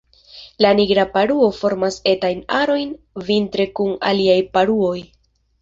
La Nigra paruo formas etajn arojn vintre kun aliaj paruoj.